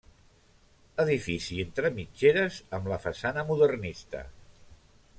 Edifici entre mitgeres amb la façana modernista.